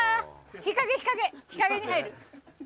日陰日陰日陰に入る。